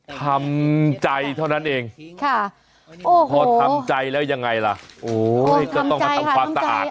ทำใจเท่านั้นเองพอทำใจแล้วยังไงล่ะโอ้ยก็ต้องมาทำความสะอาด